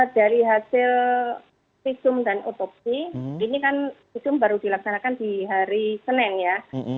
dari hasil visum dan otopsi ini kan visum baru dilaksanakan di hari senin ya